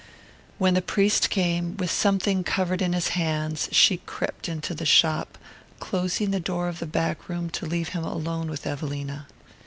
When the priest came, with something covered in his hands, she crept into the shop, closing the door of the back room to leave him alone with Evelina.